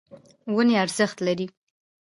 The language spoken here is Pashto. ونې ارزښت لري.